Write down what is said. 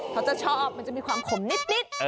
เขาจะชอบมันจะมีความขมนิด